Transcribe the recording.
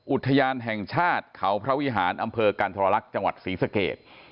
อุทยานแห่งชาติเขาพระวิหารอำเภอกันทรลักษณ์จังหวัดศรีสเกต